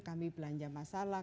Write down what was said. kami belanja masalah